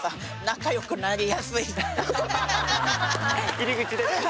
入り口でね。